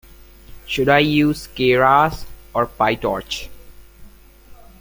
Should I use Keras or Pytorch?